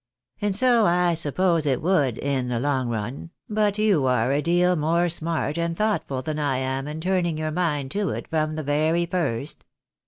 And so I suppose it would, in the long run, but you are a deal more smart and thoughtful than I am in tmning your mind to it from the very first.